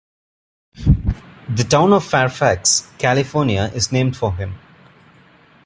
The town of Fairfax, California, is named for him.